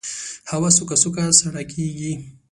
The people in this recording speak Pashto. هوا سوکه سوکه سړه کېږي